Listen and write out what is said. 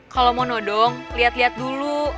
kalau mau nodong lihat lihat dulu